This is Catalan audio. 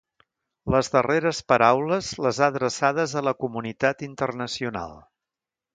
Les darreres paraules les ha adreçades a la comunitat internacional.